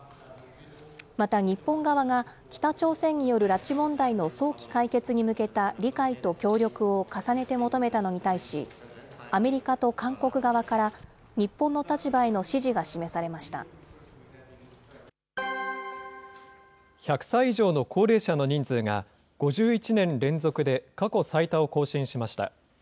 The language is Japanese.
また、日本側が北朝鮮による拉致問題の早期解決に向けた理解と協力を重ねて求めたのに対し、アメリカと韓国側から、日本の立場への支持１００歳以上の高齢者の人数が、５１年連続で過去最多を更新しました。